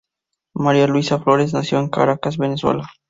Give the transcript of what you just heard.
María Luisa Flores nació en Caracas, Venezuela.